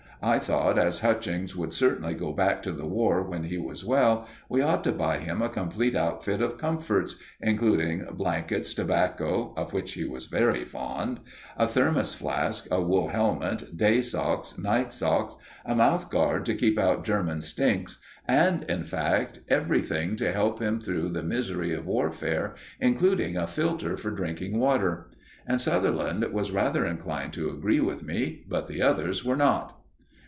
I thought, as Hutchings would certainly go back to the War when he was well, we ought to buy him a complete outfit of comforts, including blankets, tobacco of which he was very fond a Thermos flask, a wool helmet, day socks, night socks, a mouth guard to keep out German stinks, and, in fact, everything to help him through the misery of warfare, including a filter for drinking water. And Sutherland was rather inclined to agree with me, but the others were not.